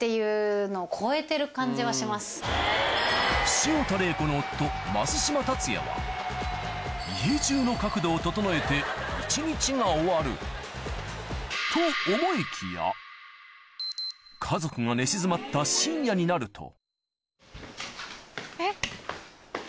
潮田玲子の夫家族が寝静まった深夜になるとえっ？